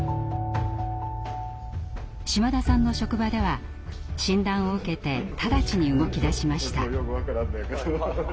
島田さんの職場では診断を受けて直ちに動きだしました。